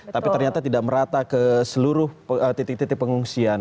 tapi ternyata tidak merata ke seluruh titik titik pengungsian